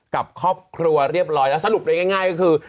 กับครอบครัวเรียบร้อยแล้วสรุปได้ง่ายก็คือ